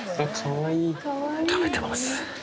食べてます。